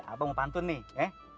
abang mau pantun nih eh